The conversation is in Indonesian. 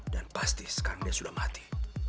dan pasti sekarang dia sudah mati